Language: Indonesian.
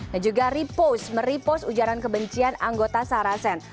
juga repost merepost ujaran kebencian anggota sarasen